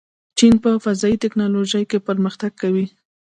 چین په فضايي تکنالوژۍ کې پرمختګ کوي.